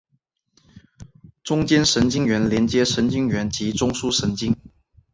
中间神经元连接神经元及中枢神经。